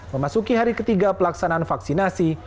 memasuki hari ketiga pelaksanaan vaksinasi